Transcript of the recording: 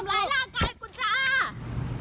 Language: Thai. ทำลายร่างกายกูจ้า